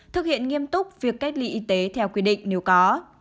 thực hiện nghiêm túc việc cách ly y tế theo quy định nếu có